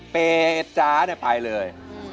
เป๋จ๋าเนี่ยไปเลย